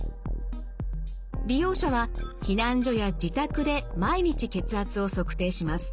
利用者は避難所や自宅で毎日血圧を測定します。